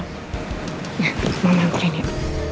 mamah mampirin ya